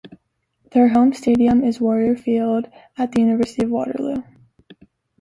Their home stadium is Warrior Field at the University of Waterloo.